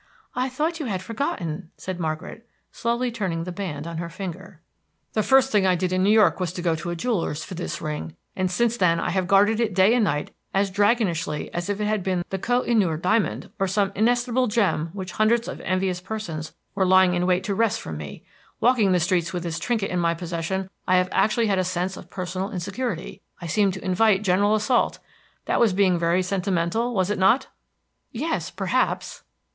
"I thought you had forgotten," said Margaret, slowly turning the band on her finger. "The first thing I did in New York was to go to a jeweler's for this ring, and since then I have guarded it day and night as dragonishly as if it had been the Koh i Noor diamond, or some inestimable gem which hundreds of envious persons were lying in wait to wrest from me. Walking the streets with this trinket in my possession, I have actually had a sense of personal insecurity. I seemed to invite general assault. That was being very sentimental, was it not?" "Yes, perhaps."